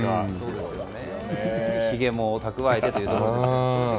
ひげも蓄えてというところですね。